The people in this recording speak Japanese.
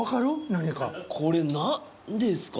何かこれ何ですか？